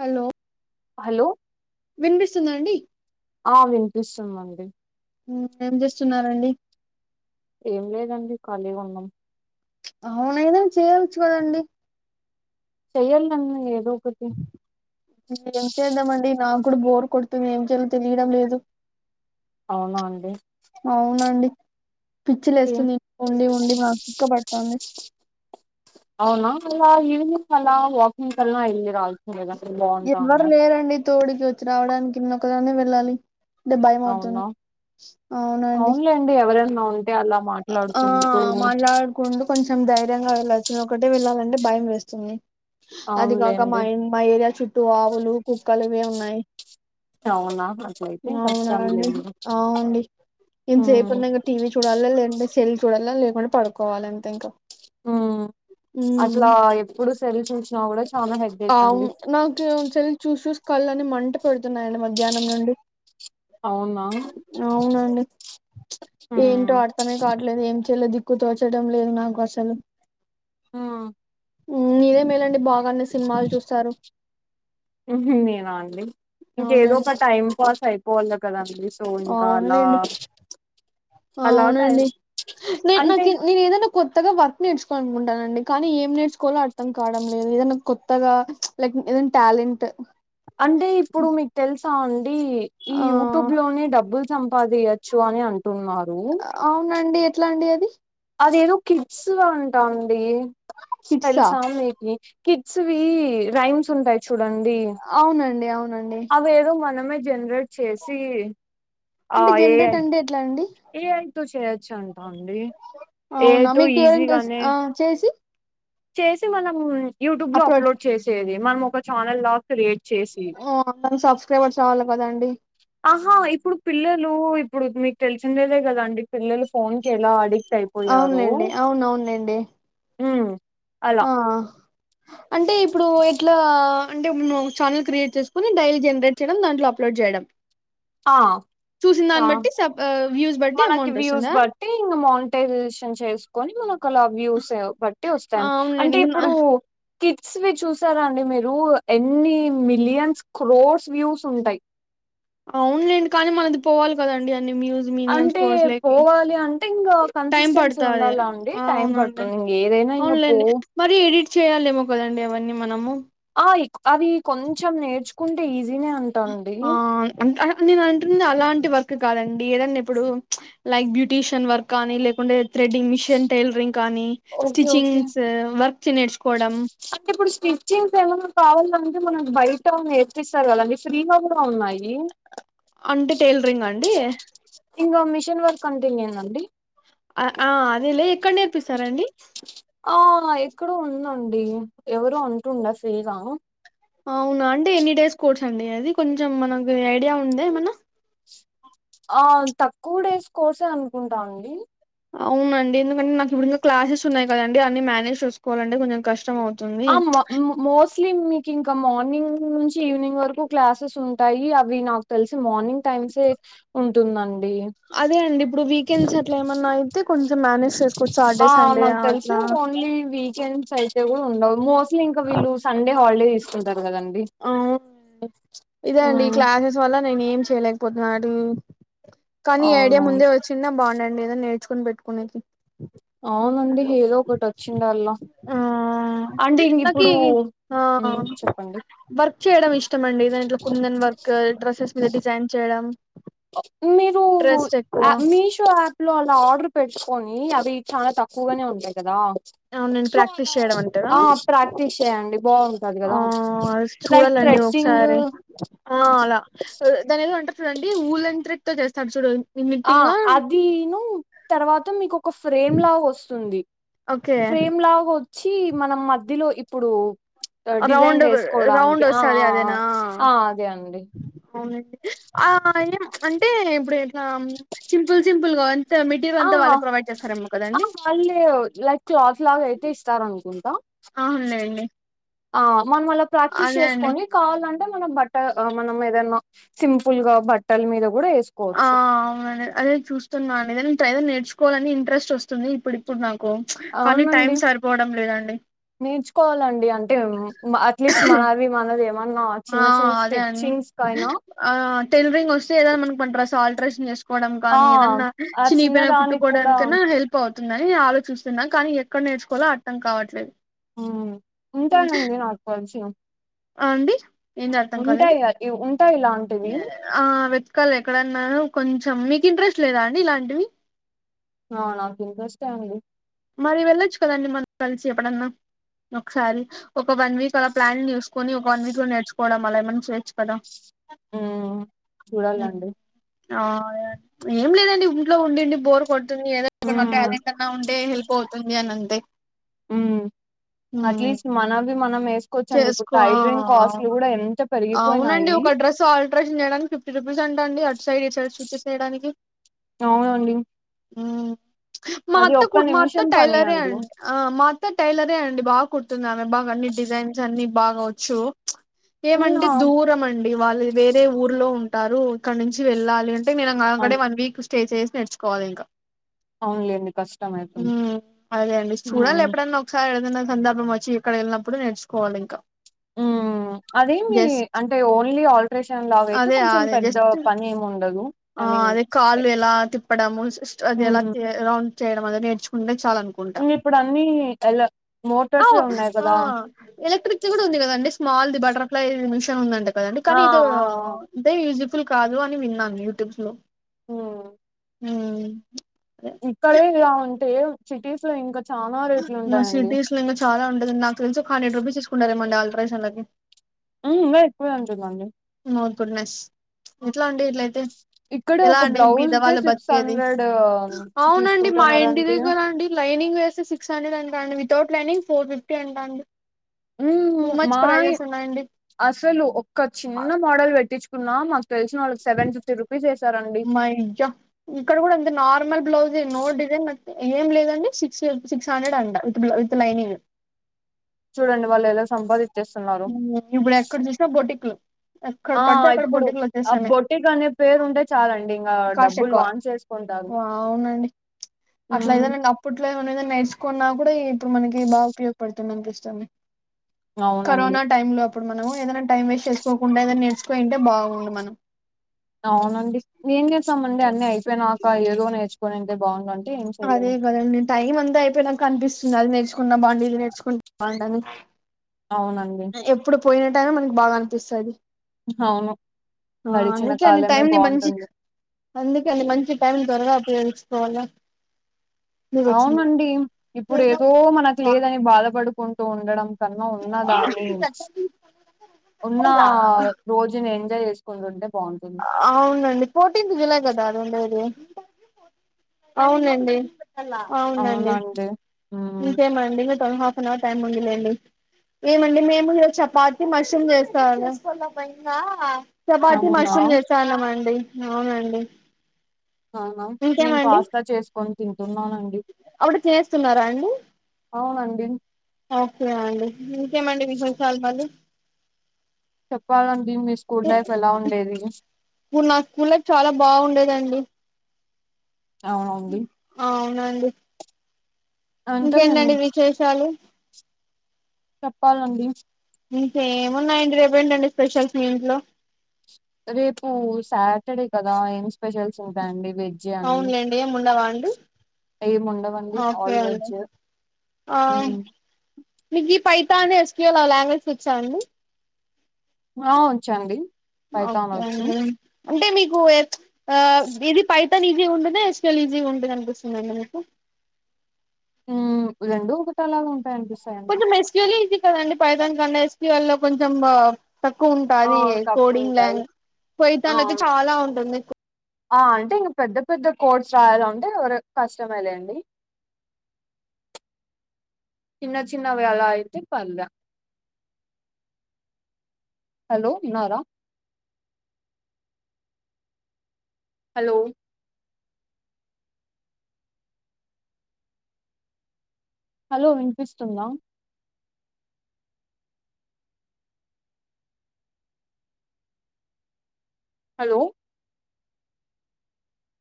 Hello hello వినిపిస్తుందఅండి ఆ వినిపిస్తుందండి ఉ ఏం చేస్తున్నారండి ఏం లేదండి ఖాళీగ ఉన్నం ఔను ఏదైన చేయచ్చు కదండి చెయ్యల్నన్ను ఏదో ఒకటి ఏం చేద్దమండి నాక్ గుడ బోర్ కొడుతుంది ఏం చేయలో తెలియడం లేదు అవునా అండి అవునండి పిచ్చి ఏ- లేస్తుంది ఇం ఉండి ఉండి మాక్ పిక్క పడ్తాంది అవునా ఈవెనింగ్ అలా వాకింగ్ కన్నా వెళ్లి రావచ్చుగా మీ హోమ్ టౌన్ లో తోడ్కి వచ్చి రావ్డానికి నేన్ ఒకదానే వెళ్ళాలి అంటే భయం అవుతుంది అవునండి అంటే ఎవరైన ఉంటే అలా మాట్లాడుకుంటూ కున్డ్ కొంచెం ధైర్యంగ వెళ్ళొచు నేన్ ఒకటే వెళ్ళాలంటే భయం వేస్తుంది అది కాక మా అవునులేండి ఇం మా ఏరియా చుట్టూ ఆవులు కుక్కలు ఇవె ఉన్నాయ్ అవునా అట్లయితే అవునాఅండి కష్టంలేండి అవ్వండి ఎంత సేపుఉన్న ఉమ్ గాని ఇంగ టీవీ చూడాల లేదంటే సెల్ చూడాల లేకుంటే పడుకోవాలె అంతే ఇంక హ అట్లా ఎప్పుడు సెల్ చూసిన కూడ చాలా హెడెక్ అవును అండి నాకు సేల్ చూస్ చూస్ కళ్ళని మంట పేడుతున్నాయ్అండి మధ్యానం నుండి అవునా ఆ అర్ధమే కాట్లేదు ఏం చేయ్లొ దిక్కు తోచడం లేద్ నాకు అసలు ఆ మీరే మేలండి బాగానే సినిమాలు చూస్తారు ఉహు నేనాండి ఇంకేదో అవునండి ఒక టైం పాస్ అయిపోవాలె కదండి సో ఇంకా అలా ఔనలేండి అలా టైం ఔనండి నే అంటే నాకు నేను ఏదనా కొత్తగా వర్క్ నేర్చుకోవాలనుకుంటానండి కానీ ఏం నేర్చుకోవాలో అర్థం కావడం లేదు ఏదన్న కొత్తగా లైక్ ఏదన్న ట్యాలెంట్ అంటే ఇప్పుడు మీకు తెల్సా అండి ఈ ఆ యూట్యూబ్లోనే డబ్బుల్ సంపాదియోచ్చు అని అంటున్నారు ఔనండి ఎట్లండి అది అదేదో కిడ్స దంటాండి కిడ్సా తెల్సా మీ కిడ్స్ వి రైమ్స్ ఉంటై చూడండి ఔనండి ఔనండి అవేదో మనమే జన్రేట్ చేసి ఆ అంటే ఏ జనరేట్ ఐ అంటే ఎట్లా అండి ఏ ఐ తో చేయొచ్చు అంటా అండి ఏఐ ఔనా తో మీకు వివరం తేల్స్ ఈజీగానే ఆ చేసి చేసి మనం యూట్యూబ్లో అప్లోడ్ చేసేది మనం ఒక ఛానల్ లా క్రియేట్ చేసి నార్మల్ సబ్స్క్రబర్స్ కావాలే కదండి ఆహా ఇప్పుడు పిల్లలూ ఇప్పుడు మీకు తెల్సినదే కదండి పిల్లలు ఫోన్ కి ఎలా అడిక్ట్ అయిపోయారు అవునులేండి అవునవునులేండి అలా ఆ అంటే ఇప్పుడు ఎట్లా అంటే నువ్ ఛానల్ క్రియేట్ చేసుకొని డైలీ జన్రేట్ చేయడం దాంట్లో అప్లోడ్ చేయడం ఆ ఆ చూసిందాన్ని బట్టి స వ్యూస్ బట్టి మనకి అమౌంట్ వ్యూస్ వస్తుందా బట్టి ఇంకా మౌంటైజేషన్ చేస్కొని మనకు అలా వ్యూస్ బట్టి ఆ! ఒస్తాయి అవునులేండి అంటే ఇంక నా ఇప్పుడు కిడ్స్ వి చూసారా అండి మీరు ఎన్ని మిలియన్స్ క్రోర్స్ వ్యూస్ ఉంటాయి ఔలేండి కానీ మనది పోవాలి కదండి అన్ని వ్యూస్ మినియన్స్ అంటే క్రోర్స్ లేకి పోవాలి అంటే ఇంకా టైం కన్సిస్టెన్సీ పడుతాది ఉండాలాండి టైం అవునండి పడు ఇంగేదైనా ఇంగ పో అవునులేండి మరి ఎడిట్ చేయ్యాలేమో కదండి అవన్నీ మనము ఆ అవి కొంచం నేర్చుకుంటే ఈజీనే అం ఆ అం నేను అంటుంది అలాంటి వర్క్ కాదండి ఏదన్న ఇప్పుడు లైక్ బ్యూటీష్యన్ వర్క్ కానీ లేకుంటే థ్రెడ్డింగ్ మిషన్ టైల్రింగ్ కానీ ఓకే ఓకే. స్టిచింగ్స్ వర్క్ నేర్చుకోవడం అంటే ఇప్పుడు స్టిచ్చింగ్స్ ఏమన్నానా కావాలంటే మనకి బైట నేర్పిస్తారు గదండి ఫ్రీగా కూడా ఉన్నాయి అంటే టైల్రింగ్ అండి ఇంగో మిషన్ వర్క్ కంటిన్యూ అయిందండి ఆ అదేలే ఎక్కడ నేర్పిస్తారండి ఆ ఎక్కడో ఉందండి ఎవరు అంటుండే ఫ్రీ గా ఔనా అంటే ఎనీ డేస్ కోర్స్ అండి అది కొంచెం మనకి ఐడియా ఉందా ఏమన్నా ఆ తక్కువ డేస్ కోర్సే అనుకుంటాండి ఔనండి ఎందుకంటే నాకు ఇప్పుడు ఇంగా క్లాసెస్ ఉన్నైకదండి అన్ని మానేజ్ చేస్కోవాలంటె కొంచెం కష్టం అవు ఆ మ మోస్ట్లీ కింకా మార్నింగ్ నుంచి ఈవినింగ్ వరకు క్లాసెస్ ఉంటాయి అవి నాకు తెల్సి మార్నింగ్ టైమ్స్ సే ఉంటుందండి అదే అండి ఇప్పుడు వీకెండ్స్ అట్లా ఏమన్నా అయితే కొంచెం మానేజ్ చే ఆ నాకు తెల్సి ఓన్లీ వీకెండ్స్ ఐ ఉండవు మోస్ట్లీ ఇంకా వీళ్ళు సండే హాల్డే తీస్కూంటారు కదండి ఇదే అండి ఈ ఉమ్ క్లాసెస్ వల్ల నేనేం చేయలేకపోతున్న కానీ ఈ ఐడియా అవునవును ముందే వచ్చిన్నా బాగుండండి ఏదో నేర్చుకొని పెట్టుకునేకి ఔనండి ఏదో ఒకటి వచ్చిండాల్లా అంటే నాకి ఇంగిప్పుడు ఆ ఉం చెప్పండి వర్క్ చేయడం ఇష్టమండి దానిట్లో కుందన్ వర్క్ డ్రెస్సెస్ మీద డిజైన్ చేయడం మీరు ఇంట్రెస్ట్ ఎక్కువ మీషో ఆప్లో అలా ఆర్డర్ పెట్కొని అవి చాలా తక్కువ కూగానే ఉంటాయి కదా నేను ప్రాక్టీస్ చేయడం అంటారా ఆ ప్రాక్టీస్ చేయండి బాఉంటది ఆ కదా లైక్ చూడాలండి థ్రెడ్డింగ్ ఒకసారి ఆ అలా దానేదో అంటారు చూడండి ఊళ్ళంత్రేడ్ చేస్తారు చూడు ఆ నిట్టింగ్ అదీను తర్వాత మీకో ఒక ఫ్రేమ్లాగా ఒస్తుంది ఓకే ఫ్రేమ్లాగా వచ్చి మనం మధ్యలో ఇప్పుడు డిజైన్ రౌండ్ రౌండ్ చేస్కోవడానికి ఆ వస్తది ఆ అదేనా ఆ అదే అండి అవునండి ఆ ఏం అంటే ఇప్పుడేట్లా సింపుల్ సింపుల్గా ఆ ఆ వాళ్ళే లైక్ క్లాత్లాగైతే ఇస్తారనుకుంటా అవును లేండి ఆ మనమల ప్రాక్టీస్ చేస్కొని కావాలంటే మనం బట్ట మనం ఏదన్నా సింపుల్గా బట్టల మీద కూడా వే ఆ అవునండీ అదే చూ స్తున్నా అదేను టైలర్ నేర్చుకోవాలని ఇంట్రెస్ట్ ఒస్తుంది ఇప్పుడిప్పుడు నాకు చ్ కానీ టైం అవునండి సరిపోవడం లేదండి నేర్చుకోవాలండి అంటే అట్లీస్ట్ మనది మనది ఏమన్నా ఆ చిన్న చిన్న అదే అండి స్టెచింగ్స్ కైనా ఆ టైలరింగ్ వస్తే ఏదన్నా మనక్ మన డ్రేస్ ఆల్ట్రేషన్ చేస్ కోవడం ఆ కానీ ఏదన్నా ఆ చినిగిపోయినవి చిన్నదానికి కూడా కుట్టుకోవడానికన్నా హెల్ప్ పౌతుందని నేనాలోచిస్తున్నా, కానీ ఎక్కడ నేర్చుకోవాలో అర్థం కావట్లేదు. ఉమ్ హ్మ్. ఉంటానండి నాకు కొంచెం అండి ఏంది అర్థం కాలేదు ఉంటాయా ఇ ఉంటాయిలాంటివి, ఆ వెత్కాలే ఎక్కడన్నా కొంచెం మీకు ఇంట్రెస్ట్ లేదా అండి ఇలాంటివి, ఆ నాక్ ఇంట్రెస్టే అండి, మరి వెళ్ళొచ్చు కదండి మం కల్సి ఎప్పుడన్నా ఒక్సారి, ఒక వన్ వీక్ అలా ప్లాన్ చూస్కొని ఒక వన్ వీక్లో నేర్చుకోవడం అలా ఏమన్న చేయచ్చు కదా, ఉమ్ హ్మ్. చూడాలండి, ఆ ఏం లేదండి ఇంట్లో ఉండుండి బోర్ కొడ్తుంది ఏదో మ్మ్ టాలెంటన్న ఉంటే హెల్ప్ పౌతుంది అనంతే ఉమ్ అట్లీస్ట్ మనవి మనమేస్ కోచ్చండి, ఇప్పుడు చేసుకో ఆ టైలరింగ్ కాస్ట్లు అవును కూడా ఎంత పెరిగి అవునండి ఒక డ్రెస్ ఆల్ట్రేషన్ చేయడానికి ఫిఫ్టీ రూపీసంటండి, అటు సైడ్ ఇటు సైడ్ స్విచ్చెస్ ఏయడానికి, అవునండి ఉమ్ మా అది ఒక్క అత్తకు మా అత్త నిమిషం పని టైలరే అండి అంట, ఆ మా అత్త టైలరే అండి బాగా కుడ్తుంది, ఆమె బాగా అన్ని డిజైన్స్ అన్ని బాగా ఒచ్చు, మళ్ళా ఏమంటే దూరమండి వాళ్ళు వేరే ఊర్లో ఉంటారు, ఇక్కడ్నుంచి వెళ్ళాలి అ టే నేను ఆకడే అవును వన్ వీక్ స్టే చేసి నేర్చుకోవాలి ఇంకా, అవునులేండి కష్టం అయితుంది ఉమ్ అదే అండి చూడాలి మ్మ్ ఎప్పుడన్న ఒక్సారి ఏదన్న సందర్భం వచ్చి ఇక్కడ వెళ్ళినప్పుడు నేర్చుకోవాలింకా, ఊమ్ అదేమి అంటే ఓన్లీ ఆల్టరేషన్ లాగైతే అదే కొంచెం అదే పెద్ద జస్ట్ పని ఏముండదు, ఆ అదే కాళ్ళు ఎలా తిప్పడము అదేలా రౌండ్ చేయడం అది నేర్చుకుంటే చాలనుక్ ఇంగిప్పుడు అన్నీ ఎల మోటార్సే ఉన్నాయ్ కదా, ఎలక్ట్రిక్ది కూడా ఉంది కదండి, స్మాల్ బటర్ఫ్లై మిషెన్ ఉందంట కదండి ఆ కానీ ఎదో, ఆ ఆ అంటే యూజిఫుల్ కాదు అని విన్నాను యూట్యూబ్స్లో మ్మ్ ఉమ్ అదే ఇక్కడే ఇలా ఉంటే సిటీస్ లో ఇంకా చానా రేట్లుంటాయండి, ఇంగ చాలా ఉంటది నాకు తెలిసి ఒక హండ్రెడ్ రూపీస్ తీస్కుంటారేమో అండి ఆల్ట్రేషన్లకి, మ్మ్ ఇంగ ఎక్కువే ఉంటుందండి, హ్మ్. ఎట్లా అండి ఇట్లైతే, ఇక్కడే ఎలా ఒక అండి బ్లౌజ్ కే బీదవాళ్ళు సిక్స్ బతికేది, హండ్రెడ్ తీసుకుంటున్నారండి లైనింగ్ వేస్తే సిక్స్ హండ్రెడ్ అంటాండి, వితౌట్ లైనింగ్ ఫోర్ ఫిఫ్టీ అంటాండి, మ్మ్ మాయ్, ఉన్నాయండి అసలు ఒక చిన్న మోడల్ పెట్టిచ్చుకున్నా మాక్ తెలిసినోళ్ళు సెవన్ ఫిఫ్టీ రూపీస్ ఎస్ ఇక్కడ కూడా అంతే నార్మల్ బ్లౌజే నో డిజైన్ మ ఏం లేదండి సిక్స్ సిక్స్ హండ్రెడ్ అంట, విత్ విత్ లైనింగ్, చూడండి వాళ్ళెలా సంపాదిచ్చేస్తున్నారో, ఇప్పుడెక్కడ చూసిన బోటిక్లు, ఆ ఇప్పుడు ఆ బొటిక్ అనే పేరు ఉంటే చాలండి ఇంగ డబ్బులు వాన్చే, ఓ అవునండి అట్లైతే నేనప్ ఇప్పట్లోఏమన్నా ఏదో నేర్చుకున్నా కూడా ఇప్పుడు మనకి బాగా ఉపయోగపడుతుంది అని అనిపిస్తుంది అవునండి కరోనా టైం లో అప్పుడు మనం ఏదైనా టైం వేస్ట్ చేసుకోకుండా ఏదైనా నేర్చుకోంటే బాగుండు మనం అవునండి ఎం చేస్తామండి అన్నీ అయిపోయినాక ఏదో నేర్చుకొనింటే బాగుండు అని అదే కదండి టైం అంతా అయిపోయినాక అనిపిస్తుంది అది నేర్చుకుంటే బాగుండు ఇది నేర్చుకుంటె బాగు ండుఅని అవునండి ఎప్పుడు పోయిన టైం బాగా అనిపిస్తది అవును ఆహ్ గడిచిన ఇంకేంది కాలమే టైం ని మంచి బాగుంటుంది. అందుకే అండి మంచి టైం త్వరగా ఉపయోగించుకోవాలా అవునండి ఇప్పుడు ఏదో మనకు లేదని బాధపడుకుంటూ ఉండడం కన్నా ఉన్నదని ఉన్న రోజుని ఎంజాయ్ చేసుకుంటుంటె బాగుంటుంది అవునండి ఫోర్టీన్త్ జులై కదా ఆదివుండేది అవునండి అవునండి హ్మ్ ఇంకేమండి మీతో నీ హాఫ్ అన్ అవర్ టైమ్ ఉందిలేండి ఏమండి మేము ఇ చపాతి మష్రూమ్ చేస్తా చపాతి అవునా మష్రూమ్ చేస్తానమండి అవునండి అవునా నేను ఇంకేమండి పాస్తా చేసుకొని తింటున్నానండి అప్పుడు చేస్తున్నారా అండి అవునండి ఓకే అండి ఇంకేమండి విశేషాలు మల్లీ చెప్పాలండి మీ స్కూల్ డేస్ ఎలా ఉండేది అప్పుడు నా స్కూల్ లైఫ్ చాలా బాగుండేదండి అవునండి అవునండి అంతేలేండి ఇంకేంటండి విశేషాలు చెప్పాలండి ఇంకేమున్నాయండి రేపేంటండి స్పెషల్స్ మీ ఇంట్లో రేపు సాటర్డే కదా ఏం స్పెషల్స్ ఉంటాయండి వెజ్ అన్ని అవునులేండి ఏముండవా అండి ఏం ఉండవండి ఓకే ఆల్ అండి వెజ్ ఆ మ్మ్. మీకు ఈ పైథాన్ ఎస్క్యవల్ లాంగ్వేజ్కి వాచండి ఆ వంచండి ఓకే అండి అంటే మీకు ఆ ఇది పైతాన్ ఈజీగా ఉంటుంద ఎస్కల్ ఈజీగా ఉంటుంది అనిపిస్తుందండి మీకు హ్మ్ రెండు ఒకటలాగా ఉంటాయి అనిపిస్ కొంచెం ఎస్క్యూఎల్ ఎ ఈజీ కదండి పైతోన్ కన్న ఎస్క్యూ ఎల్ లో కొంచం బ తక్కువ ఆ ఉంటాది తక్కువ కోడింగ్ ఉంటాయి ల్యాంగ్ ఆ పైతన్ అయితే చాలా ఉంటుంది ఆ అంటె ఇంగ పెద్ద పెద్ద కోడ్స్ రాయాలి అంటే ఒరు కష్టమే లేండి చిన్న చిన్నవి అలా అయితే పర్లే హలో ఉన్నారా హలో హలో వినిపిస్తుందా హలో